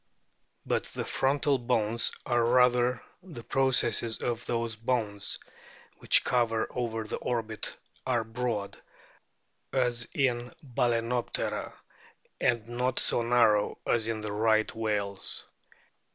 But the frontal bones, or rather the processes of those bones, which cover over the orbit are broad, as in Balcenoptera, and not so narrow as in the Right whales.